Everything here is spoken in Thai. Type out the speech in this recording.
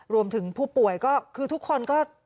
รวมถึงผู้ป่วยก็คือทุกคนก็